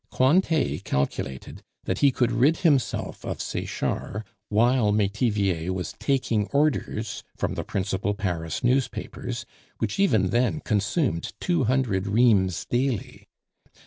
Cointet calculated that he could rid himself of Sechard while Metivier was taking orders from the principal Paris newspapers, which even then consumed two hundred reams daily.